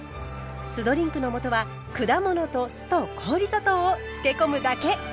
酢ドリンクの素は果物と酢と氷砂糖を漬け込むだけ！